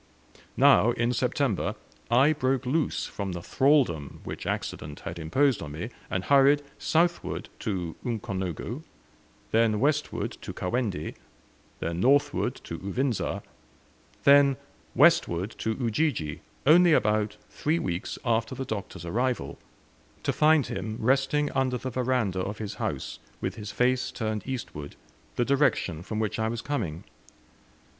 Now, in September, I broke loose from the thraldom which accident had imposed on me, and hurried southward to Ukonongo, then westward to Kawendi, then northward to Uvinza, then westward to Ujiji, only about three weeks after the Doctor's arrival, to find him resting under the veranda of his house with his face turned eastward, the direction from which I was coming.